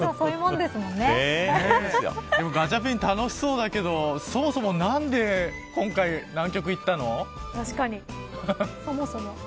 でも、ガチャピン楽しそうだけどそもそも何で今回南極行ったの。